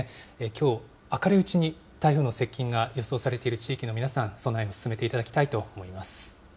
きょう、明るいうちに台風の接近が予想されている地域の皆さん、備えを進めていただきたいと思います。